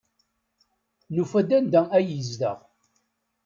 Nufa-d anda ay yezdeɣ.